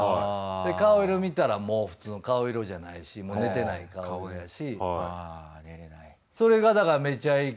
顔色見たらもう普通の顔色じゃないし寝てない顔やし。